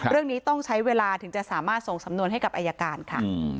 เรื่องนี้ต้องใช้เวลาถึงจะสามารถส่งสำนวนให้กับอายการค่ะ